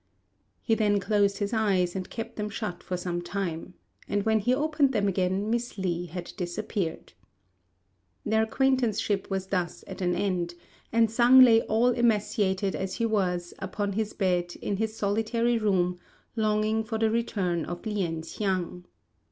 He then closed his eyes and kept them shut for some time; and when he opened them again Miss Li had disappeared. Their acquaintanceship was thus at an end, and Sang lay all emaciated as he was upon his bed in his solitary room longing for the return of Lien hsiang.